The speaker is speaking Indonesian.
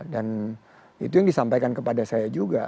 dan itu yang disampaikan kepada saya